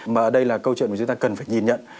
mà ở đây là câu chuyện mà chúng ta cần phải nhìn nhận